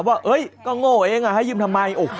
ว่าเฮ้ยก็โง่เองอ่ะให้ยืมทำไม